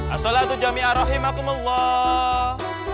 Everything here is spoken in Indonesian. as sholatu jamia rahimakumullah